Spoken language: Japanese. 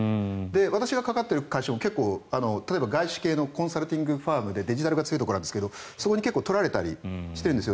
私が関わっている会社も外資系のコンサルティングファームでデジタルが強いところなんですがそこに結構取られたりしています。